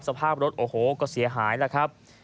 สภาพรถโอ้โหก็เสียหายแล้วครับ